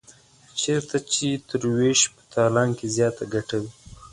چېرته چې تر وېش په تالان کې زیاته ګټه وي.